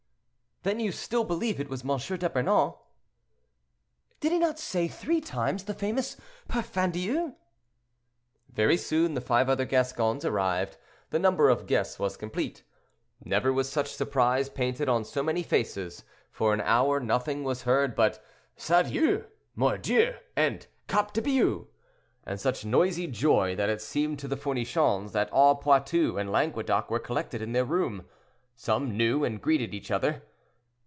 "Then you still believe it was M. d'Epernon?" "Did he not say three times the famous 'parfandious'?" Very soon the five other Gascons arrived; the number of guests was complete. Never was such surprise painted on so many faces; for an hour nothing was heard but "saudioux," "mordioux!" and "cap de Bious!" and such noisy joy, that it seemed to the Fournichons that all Poitou and Languedoc were collected in their room. Some knew, and greeted each other.